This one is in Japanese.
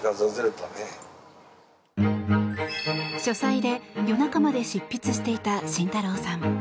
書斎で夜中まで執筆していた慎太郎さん。